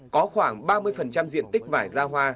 có khoảng ba mươi diện tích vải ra hoa